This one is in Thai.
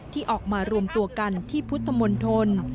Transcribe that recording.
ที่ออกมารวมตัวกันที่พุทธมนตร